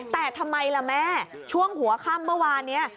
แต่ทำไมล่ะแม่ช่วงหัวค่ำเมื่อวานนี้